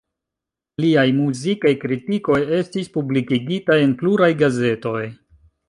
Liaj muzikaj kritikoj estis publikigitaj en pluraj gazetoj.